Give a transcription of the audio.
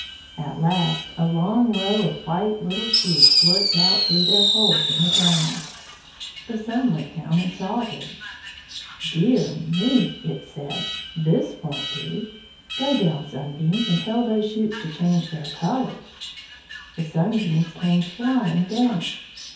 At last a long row of white little shoots looked out through their holes in the ground. The Sun looked down and saw them. "Dear me!" he said. "This won't do. Go down, Sunbeams, and tell those shoots to change their colour." The Sunbeams came flying down.